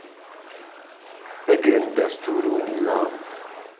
بگرن دهستوور و نیزام